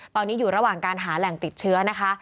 ตอนนี้อยู่ระหว่างการหาแหล่งติดเชื้อนะคะ